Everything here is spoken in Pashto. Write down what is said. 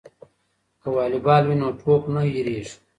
که والیبال وي نو ټوپ نه هیریږي.